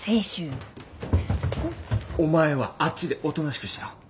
お前はあっちでおとなしくしてろ。